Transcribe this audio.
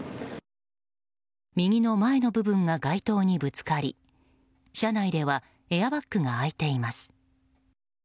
右の前の部分が街灯にぶつかり車内ではエアバッグが開いています。